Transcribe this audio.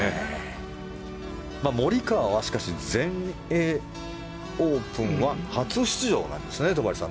モリカワは全英オープンは初出場なんですね、戸張さん。